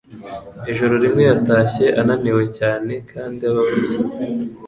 Ijoro rimwe yatashye ananiwe cyane kandi ababaye